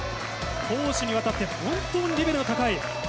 攻守にわたって本当にレベルが高い。